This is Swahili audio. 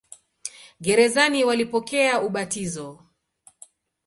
Gerezani walipokea ubatizo.